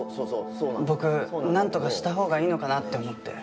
僕なんとかしたほうがいいのかなって思って。